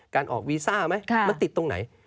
การออกวีซ่าไหมมันติดตรงไหน